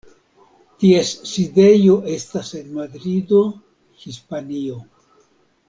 Ties sidejo estas en Madrido, Hispanio.